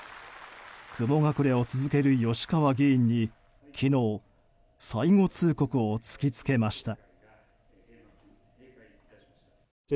雲隠れを続ける吉川議員に昨日最後通告を突きつけました。